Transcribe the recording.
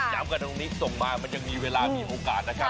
กันตรงนี้ส่งมามันยังมีเวลามีโอกาสนะครับ